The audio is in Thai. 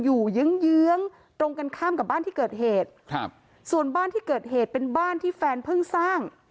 เยื้องเยื้องตรงกันข้ามกับบ้านที่เกิดเหตุครับส่วนบ้านที่เกิดเหตุเป็นบ้านที่แฟนเพิ่งสร้าง